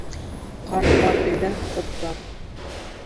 Ҡарт бар өйҙә ҡот бар